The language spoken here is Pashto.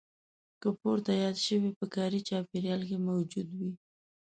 که پورته یاد شوي په کاري چاپېریال کې موجود وي.